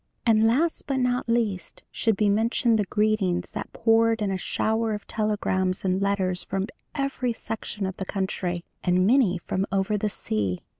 "And last but not least should be mentioned the greetings that poured in a shower of telegrams and letters from every section of the country, and many from over the sea.